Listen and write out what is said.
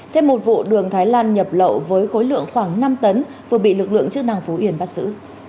thêm một vụ đường thái lan nhập lậu với khối lượng khoảng năm tấn vừa bị lực lượng chức năng phú yên bắt xử